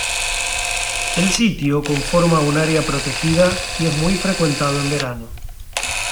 El sitio conforma un área protegida y es muy frecuentado en verano.